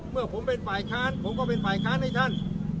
เมื่อผมเป็นฝ่ายค้านผมก็เป็นฝ่ายค้านให้ท่าน